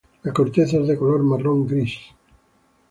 La corteza es de color marrón-gris.